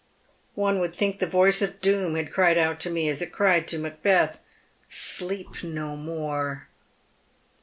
One would think the voice of doom had cried out to me, as it cried to Macbeth, ' Sleep no more